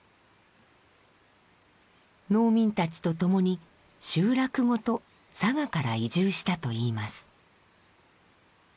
農民たちと共に集落ごと佐賀から移住したといいます。